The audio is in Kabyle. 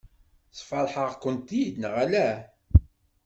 Sfeṛḥeɣ-kent-id neɣ ala?